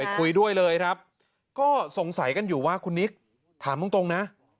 คุยด้วยเลยครับก็สงสัยกันอยู่ว่าคุณนิกถามตรงนะ